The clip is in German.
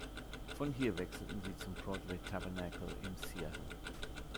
Von hier wechselten sie zum Broadway Tabernacle in Seattle.